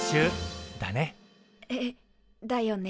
えだよね。